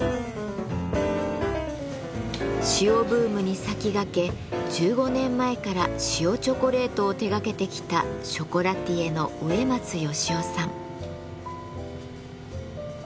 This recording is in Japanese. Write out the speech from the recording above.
塩ブームに先駆け１５年前から塩チョコレートを手がけてきたショコラティエの植松秀王さん。